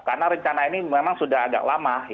karena rencana ini memang sudah agak lama